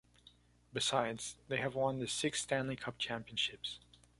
Besides, they have won the six Stanley Cup championships.